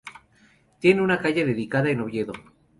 Tiene una calle dedicada en Oviedo.